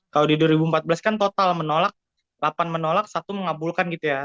kalau di dua ribu empat belas kan total menolak delapan menolak satu mengabulkan gitu ya